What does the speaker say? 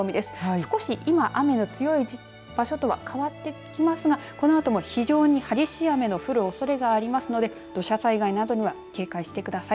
少し今、雨の強い場所とは変わってきますがこのあとも非常に激しい雨の降るおそれがありますので土砂災害などには警戒してください。